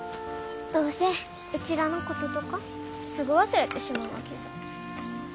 どうせうちらのこととかすぐ忘れてしまうわけさ。